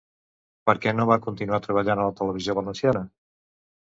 Per què no va continuar treballant a la televisió valenciana?